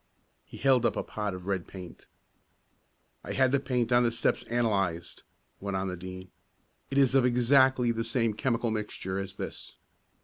He held up a pot of red paint. "I had the paint on the steps analyzed," went on the Dean. "It is of exactly the same chemical mixture as this.